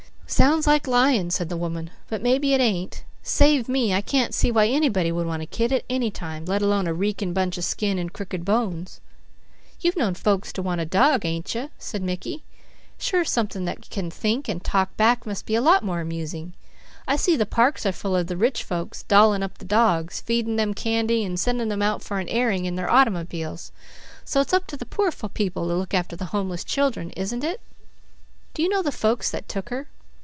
"Sounds like lying," said the woman, "but mebby it ain't. Save me, I can't see why anybody would want a kid at any time, let alone a reekin' bunch of skin and crooked bones." "You've known folks to want a dog, ain't you?" said Mickey. "Sure something that can think and talk back must be a lot more amusing. I see the parks are full of the rich folks dolling up the dogs, feeding them candy and sending them out for an airing in their automobiles; so it's up to the poor people to look after the homeless children, isn't it?" "Do you know the folks that took her?"